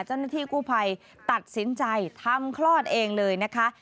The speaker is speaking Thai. เจ้าหน้าที่กู้ภัยตัดสินใจทำคลอดเองเลยนะคะ